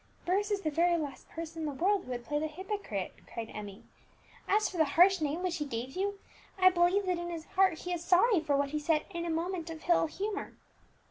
"Bruce is the very last person in the world who would play the hypocrite," cried Emmie. "As for the harsh name which he gave you, I believe that in his heart he is sorry for what he said in a moment of ill humour."